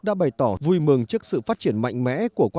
và tôi hơi buồn khi quay trở lại đây